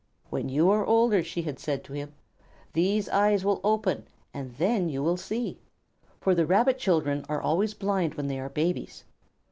"When you are older," she had said to him, "these eyes will open, and then you will see." For the Rabbit children are always blind when they are babies.